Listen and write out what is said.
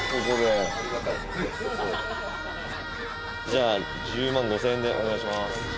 じゃあ１０万５，０００円でお願いします。